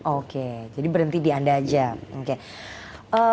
oke jadi berhenti di anda aja oke